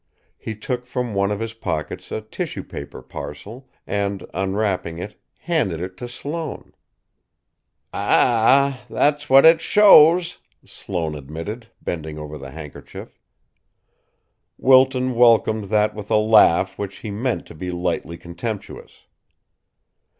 He took from one of his pockets a tissue paper parcel, and, unwrapping it, handed it to Sloane. "Ah h h that's what it shows," Sloane admitted, bending over the handkerchief. Wilton welcomed that with a laugh which he meant to be lightly contemptuous.